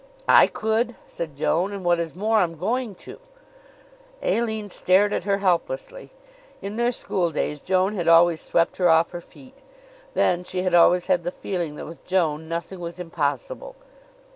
"I could," said Joan. "And what is more, I'm going to!" Aline stared at her helplessly. In their schooldays, Joan had always swept her off her feet. Then, she had always had the feeling that with Joan nothing was impossible.